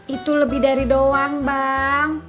itu lebih dari doang bang